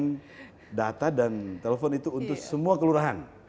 kita sudah anggarkan biaya abonemen data dan telepon itu untuk semua kelurahan